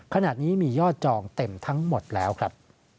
ขณะนี้มียอดจองเต็มทั้งหมดแล้วครับ